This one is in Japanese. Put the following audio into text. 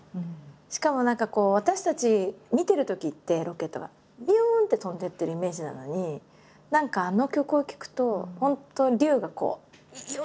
しかも何か私たち見てるときってロケットがびゅんって飛んでいってるイメージなのに何かあの曲を聴くと本当竜がよいしょってのぼっていく。